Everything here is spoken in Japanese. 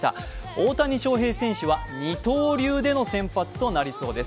大谷翔平選手は二刀流での先発となりそうです。